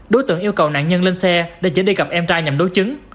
đối tượng yêu cầu nạn nhân lên xe để chở đi gặp em trai nhằm đối chứng